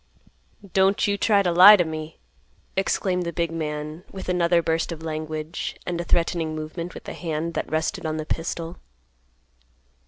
"Don't you try to lie to me!" exclaimed the big man, with another burst of language, and a threatening movement with the hand that rested on the pistol.